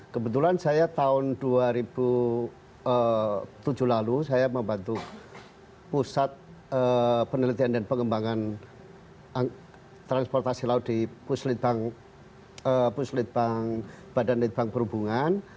kebetulan saya tahun dua ribu tujuh lalu saya membantu pusat penelitian dan pengembangan transportasi laut di puslit badan litbang perhubungan